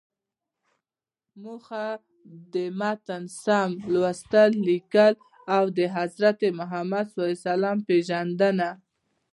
موخه: د متن سم لوستل، ليکل او د حضرت محمد ﷺ پیژندنه.